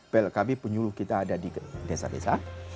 plkb penyuluh kita ada di desa desa